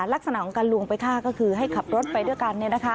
ลักษณะของการลวงไปฆ่าก็คือให้ขับรถไปด้วยกัน